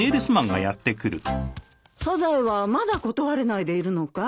サザエはまだ断れないでいるのかい？